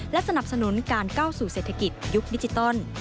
และสนับสนุนการก้าวสู่เศรษฐกิจยุคดิจิตอล